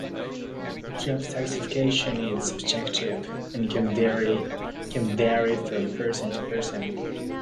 Job satisfaction is subjective and can vary from person to person.